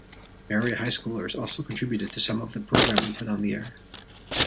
Area high schoolers also contributed to some of the programming put on the air.